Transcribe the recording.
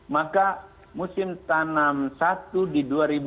maka musim tanam satu di dua ribu dua puluh